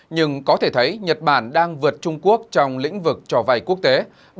nhưng có thể thấy nhật bản đang vượt trung quốc trong lĩnh vực cho vay quốc tế